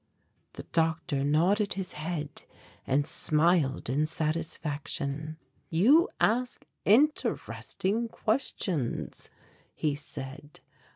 The doctor nodded his head and smiled in satisfaction. "You ask interesting questions," he said.